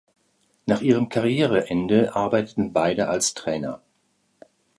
Nach ihrem Karriereende arbeiteten beide als Trainer.